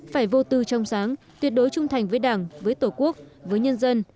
phải vô tư trong sáng tuyệt đối trung thành với đảng với tổ quốc với nhân dân